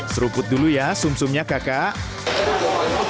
seruput dulu ya sumsumnya kakak